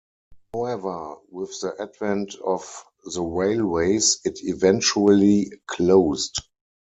However, with the advent of the railways, it eventually closed.